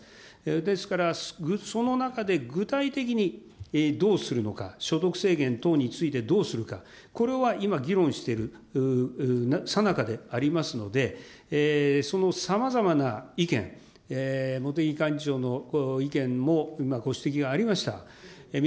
ですから、その中で具体的にどうするのか、所得制限等についてどうするか、これは今、議論してるさなかでありますので、そのさまざまな意見、茂木幹事長の意見も今、ご指摘がありました。